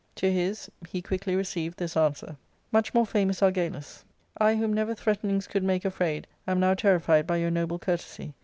To his he quickly received this answer ;—" Much more famous Argalus, I whom never threaten ings could make afraid am now terrified by your noble ^courtesy.